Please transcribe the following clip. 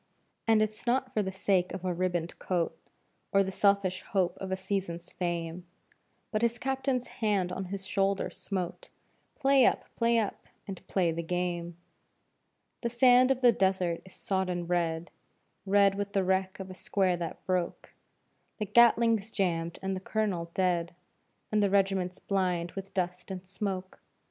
And it's not for the sake of a ribboned coat Or the selfish hope of a season's fame, But his Captain's hand on his shoulder smote; "Play up! Play up! And play the game!" The sand of the desert is sodden red Red with the wreck of a square that broke; The Gatling's jammed and the colonel dead, And the regiment's blind with dust and smoke.